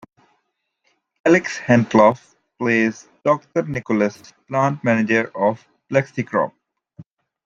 Alex Henteloff plays Doctor Nichols, plant manager of Plexicorp.